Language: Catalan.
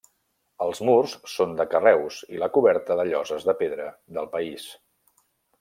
Els murs són de carreus i la coberta de lloses de pedra del país.